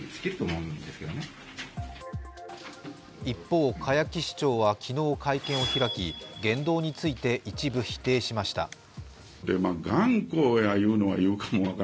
一方、栢木市長は昨日会見を開き言動について、一部否定しました。